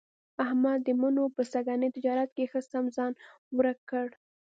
احمد د مڼو په سږني تجارت کې ښه سم ځان ورک کړ.